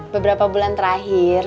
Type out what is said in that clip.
beberapa bulan terakhir